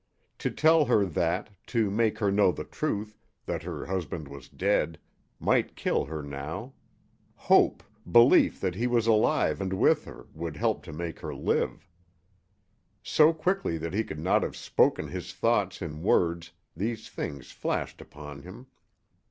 To tell her that, to make her know the truth that her husband was dead might kill her now. Hope, belief that he was alive and with her, would help to make her live. So quickly that he could not have spoken his thoughts in words these things flashed upon him.